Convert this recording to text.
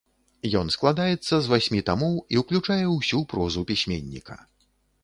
Ён складаецца з васьмі тамоў і ўключае ўсю прозу пісьменніка.